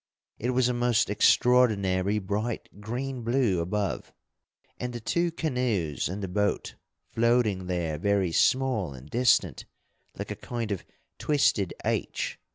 It was a most extraordinary bright green blue above, and the two canoes and the boat floating there very small and distant like a kind of twisted H.